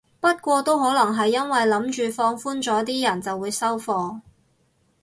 不過都可能係因為諗住放寬咗啲人就會收貨